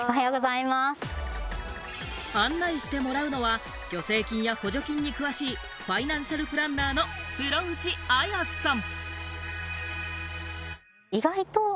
案内してもらうのは助成金や補助金に詳しい、ファイナンシャルプランナーの風呂内亜矢さん。